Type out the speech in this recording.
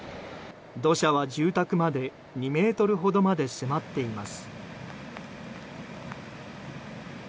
土砂は住宅まで２ｍほどまで迫っています。